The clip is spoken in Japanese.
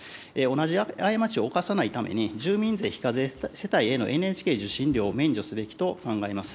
同じ過ちを犯さないために、住民税非課税世帯へのＮＨＫ受信料を免除すべきと考えます。